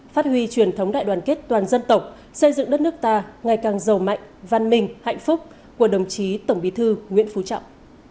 phát huy truyền thống đại đoàn kết toàn dân tộc xây dựng đất nước ta ngày càng giàu mạnh văn minh hạnh phúc của đồng chí tổng bí thư nguyễn phú trọng